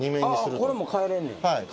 これもかえれんねん？